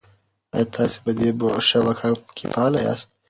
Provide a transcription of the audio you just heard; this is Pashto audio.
ایا تاسي په دې شبکه کې فعال یاست؟